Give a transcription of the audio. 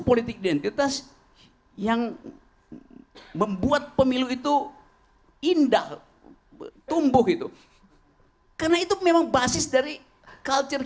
politik identitas yang membuat pemilu itu indah tumbuh itu karena itu memang basis dari culture